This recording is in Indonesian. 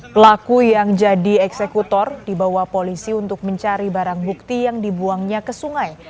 pelaku yang jadi eksekutor dibawa polisi untuk mencari barang bukti yang dibuangnya ke sungai